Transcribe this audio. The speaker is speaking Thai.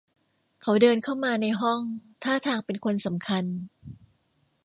เขาเดินเข้ามาในห้องท่าทางเป็นคนสำคัญ